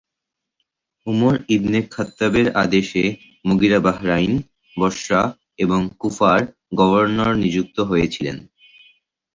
Umar ibn খাত্তাবের আদেশে Mughira Bahrain, বসরা এবং কুফার গভর্নর নিযুক্ত হয়েছিলেন।